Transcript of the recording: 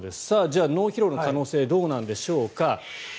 じゃあ、脳疲労の可能性はどうなんでしょうか。